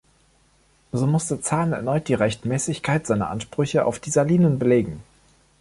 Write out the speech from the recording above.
So musste Zahn erneut die Rechtmäßigkeit seiner Ansprüche auf die Salinen belegen.